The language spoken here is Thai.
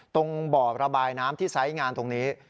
ตรงบ่อระบายน้ำที่ไซส์งานตรงนี้